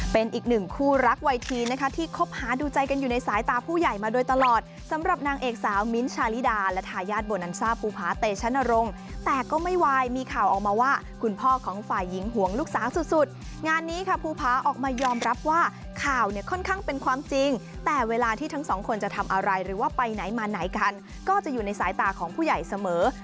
เป็นอีกหนึ่งคู่รักวัยทีนะคะที่คบหาดูใจกันอยู่ในสายตาผู้ใหญ่มาโดยตลอดสำหรับนางเอกสาวมิ้นท์ชาลิดาและทายาทโบนันซ่าภูพาเตชะนรงค์แต่ก็ไม่ไหวมีข่าวออกมาว่าคุณพ่อของฝ่ายหญิงห่วงลูกสาวสุดสุดงานนี้ค่ะภูพาออกมายอมรับว่าข่าวเนี่ยค่อนข้างเป็นความจริงแต่เวลาที่ทั้งสองคนจะทำอะไรหรือว่าไปไหนมาไหนกันก็จะอยู่ในสายตาของผู้ใหญ่เสมอ